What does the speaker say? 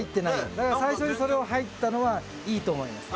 最初にそれを入ったのはいいと思います。